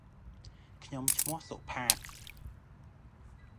ខ្ញុំឈ្មោះសុផាត